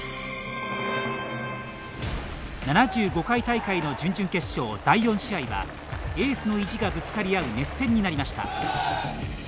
７５回大会の準々決勝第４試合はエースの意地がぶつかり合う熱戦になりました。